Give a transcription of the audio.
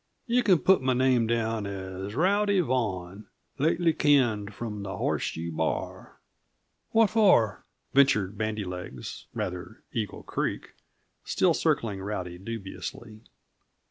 You can put my name down as Rowdy Vaughan, lately canned from the Horseshoe Bar." "What for?" ventured Bandy legs rather, Eagle Creek still circling Rowdy dubiously.